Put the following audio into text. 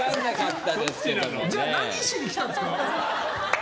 じゃあ何しに来たんですか？